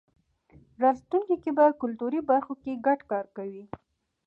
راتلونکی کې به کلتوري برخو کې ګډ کار کوی.